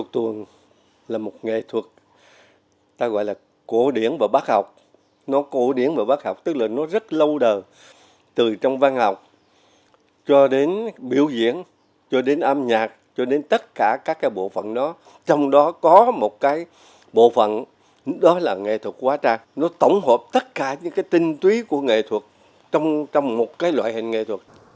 tất cả những tinh túy của nghệ thuật trong một loại hình nghệ thuật